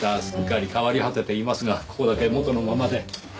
すっかり変わり果てていますがここだけ元のままで。